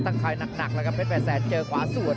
ตั้งคลายหนักแล้วครับเพชรแปดแสนเจอขวาส่วน